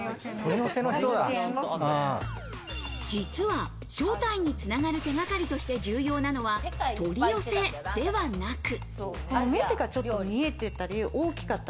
実は正体に繋がる手がかりとして重要なのは取り寄せではなく。